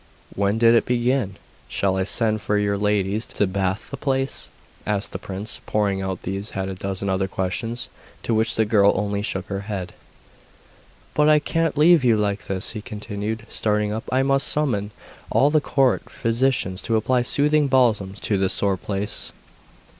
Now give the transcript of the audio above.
When did it begin? Shall I send for your ladies to bath the place?' asked the prince, pouring out these and a dozen other questions, to which the girl only shook her head. 'But I can't leave you like this,' he continued, starting up, 'I must summon all the court physicians to apply soothing balsams to the sore place!